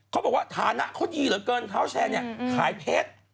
เขาบอกว่าฐานะเขาดีเหลือเกินเขาแชร์เนี่ยขายเพชร